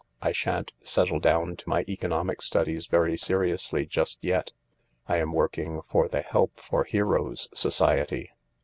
I shan't settle down to my economic studies very seriously just yet. I'm working for the Help for Heroes Society."